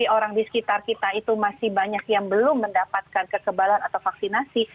orang di sekitar kita itu masih banyak yang belum mendapatkan kekebalan atau vaksinasi